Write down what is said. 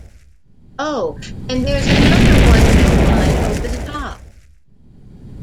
Oh, and there's another one-note line over the top.